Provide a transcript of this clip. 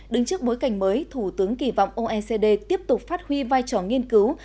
đứng trước bối cảnh mới thủ tướng kỳ vọng oecd tiếp tục phát huy vai trò nghiên cứu